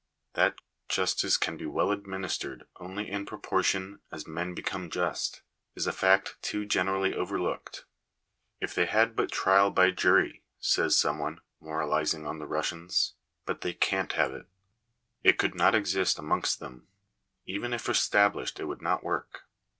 That justice can be well administered only in proportion as men become just, is a fact too generally overlooked. " If they had but trial by jury !" says some one, moralizing on the Rus sians. But they can't have it It could not exist amongst them. Even if established it would not work.